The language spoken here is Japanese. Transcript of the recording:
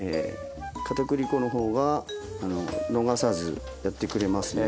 片栗粉の方は逃さずやってくれますね。